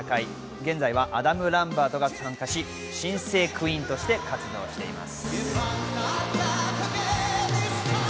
現在はアダム・ランバートが参加し、新生ＱＵＥＥＮとして活動しています。